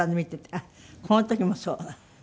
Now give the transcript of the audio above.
あっこの時もそう？